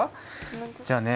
じゃあね